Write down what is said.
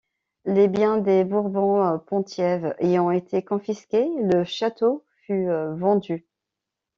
Les biens des Bourbon-Penthièvre ayant été confisqués, le château fut vendu.